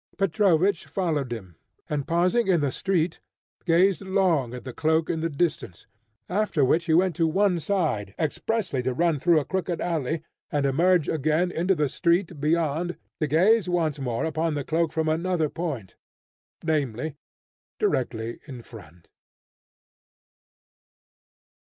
Petrovich followed him, and pausing in the street, gazed long at the cloak in the distance, after which he went to one side expressly to run through a crooked alley, and emerge again into the street beyond to gaze once more upon the cloak from another point, namely, directly in front.